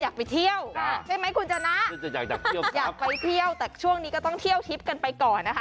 อยากไปเที่ยวใช่ไหมคุณชนะอยากเที่ยวอยากไปเที่ยวแต่ช่วงนี้ก็ต้องเที่ยวทริปกันไปก่อนนะคะ